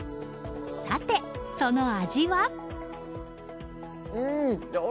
さて、その味は？